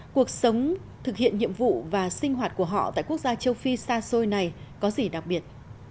cuộc sống thực hiện nhiệm vụ và sinh hoạt của họ tại quốc gia châu phi xa xôi này có gì đặc biệt